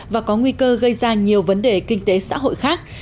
và có nguy cơ gây ra nhiều vấn đề kinh tế xã hội khác